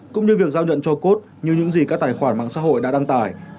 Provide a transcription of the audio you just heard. cũng như việc giao nhận cho cốt như những gì các tài khoản mạng xã hội đã đăng tải